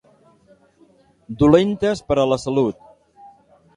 Dolentes per a la salut.